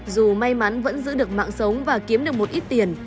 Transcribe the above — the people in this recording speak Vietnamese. dù may mắn vẫn giữ được mạng sống và kiếm được một ít tiền